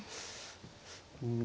うん。